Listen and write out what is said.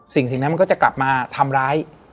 สิ่งนั้นมันก็จะกลับมาทำร้าย